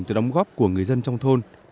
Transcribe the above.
từ đóng góp của người dân trong thôn